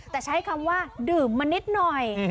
แต่ใช้คำว่าดื่มมานิดหน่อย